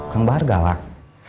kang bahar galak